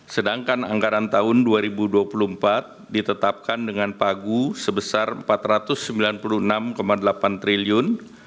sedangkan anggaran tahun dua ribu dua puluh empat ditetapkan dengan pagu sebesar rp empat ratus sembilan puluh enam delapan triliun